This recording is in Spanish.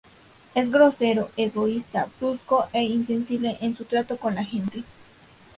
Es grosero, egoísta, brusco e insensible en su trato con la gente.